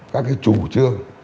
các cái chủ chương